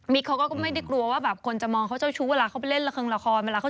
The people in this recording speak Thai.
เขาก็ไม่ได้กลัวว่าแบบคนจะมองเขาเจ้าชู้เวลาเขาไปเล่นละครละครเวลาเขา